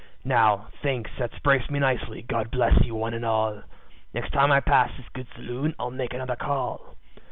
"There, thanks, that's braced me nicely; God bless you one and all; Next time I pass this good saloon I'll make another call.